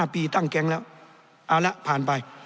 ปีตั้งแก๊งแล้วเอาละผ่านไป